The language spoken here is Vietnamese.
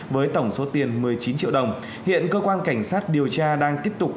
với tổng số tiền một mươi chín triệu đồng hiện cơ quan cảnh sát điều tra đang tiếp tục